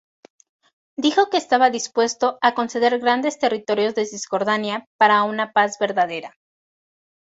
Dijo que estaba dispuesto a conceder "grandes territorios" de Cisjordania para una "paz verdadera".